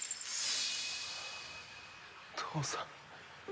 父さん？